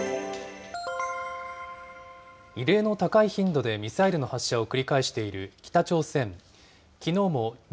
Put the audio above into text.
異例の高い頻度でミサイルの発射を繰り返している北朝鮮。